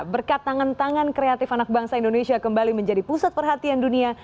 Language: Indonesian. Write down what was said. berkat tangan tangan kreatif anak bangsa indonesia kembali menjadi pusat perhatian dunia